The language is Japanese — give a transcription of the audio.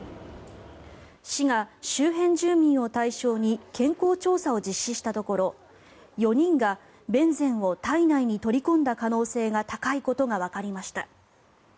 市が周辺住民を対象に健康調査を実施したところ４人がベンゼンを体内に取り込んだ可能性が高いことがわかりました。